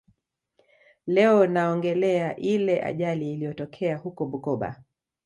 Leo naongelea ile ajali ilotokea huko Bukoba